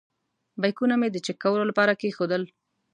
بیکونه مې د چېک کولو لپاره کېښودل.